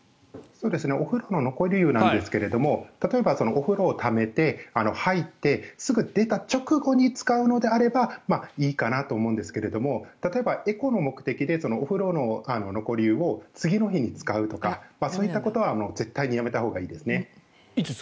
お風呂の残り湯なんですが例えば、お風呂をためて入ってすぐ出た直後に使うのであればいいかなと思うんですけども例えば、エコの目的でお風呂の残り湯を次の日に使うとかそういったことは絶対にやめたほうがいいですね。